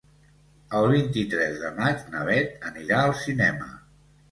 El vint-i-tres de maig na Bet anirà al cinema.